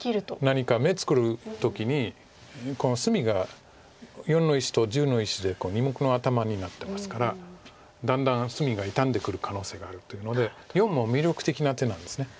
何か眼作る時にこの隅が④の石と⑩の石で２目の頭になってますからだんだん隅が傷んでくる可能性があるというので④も魅力的な手なんです。